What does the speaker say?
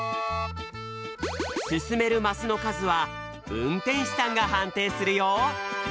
進めるマスのかずは運転士さんがはんていするよ！